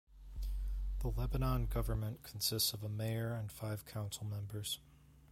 The Lebanon government consists of a mayor and five council members.